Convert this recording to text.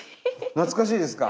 懐かしいですか？